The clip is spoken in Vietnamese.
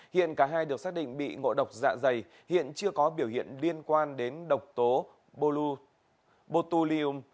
hiện cả hai được xác định bị ngộ độc dạ dày hiện chưa có biểu hiện liên quan đến độc tố botulium